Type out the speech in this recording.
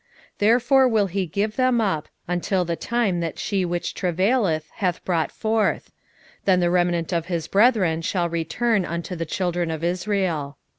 5:3 Therefore will he give them up, until the time that she which travaileth hath brought forth: then the remnant of his brethren shall return unto the children of Israel.